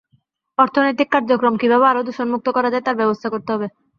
অর্থনৈতিক কার্যক্রম কীভাবে আরও দূষণমুক্ত করা যায়, তার ব্যবস্থা করতে হবে।